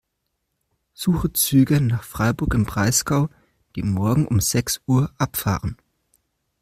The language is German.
Suche Züge nach Freiburg im Breisgau, die morgen um sechs Uhr abfahren.